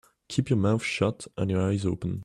Keep your mouth shut and your eyes open.